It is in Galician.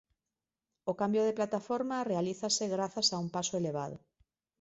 O cambio de plataforma realízase grazas a un paso elevado.